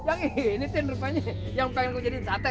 yang ini dietin rupanya yang pengen gue jadiin sate